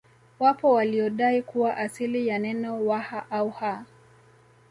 Wapo waliodai kuwa asili ya neno Waha au Ha